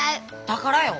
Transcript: だからよ。